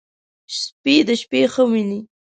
سپي د شپې ښه ویني.